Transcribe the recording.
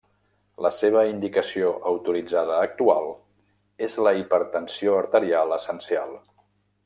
La seva indicació autoritzada actual és la hipertensió arterial essencial.